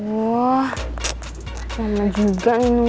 wah lama juga nih nunggu